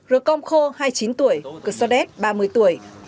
rekom kho hai mươi chín tuổi kusadet ba mươi tuổi